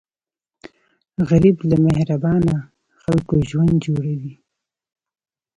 غریب له مهربانه خلکو ژوند جوړوي